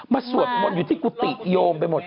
สวดมนต์อยู่ที่กุฏิโยมไปหมด